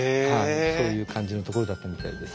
そういう感じの所だったみたいです。